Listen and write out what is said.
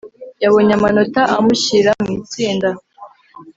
yabonye amanota amushyira mu itsinda